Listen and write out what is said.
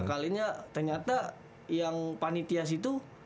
ngakalinnya ternyata yang panitias itu